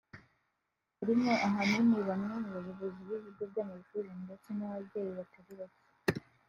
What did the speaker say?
harimo ahanini bamwe mu bayobozi b’ibigo by’amashuri ndetse n’ababyeyi batari bake